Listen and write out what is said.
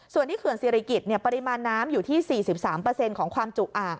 ส่วนที่เขื่อนศิริกิจปริมาณน้ำอยู่ที่๔๓ของความจุอ่าง